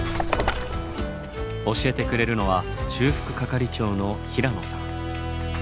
教えてくれるのは修復係長の平野さん。